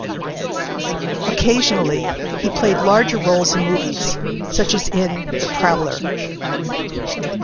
Occasionally he played larger roles in movies, such as in "The Prowler".